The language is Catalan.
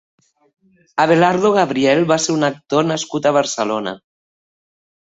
Abelardo Gabriel va ser un actor nascut a Barcelona.